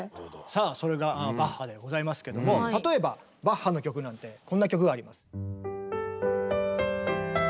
さあそれがバッハでございますけども例えばバッハの曲なんてこんな曲があります。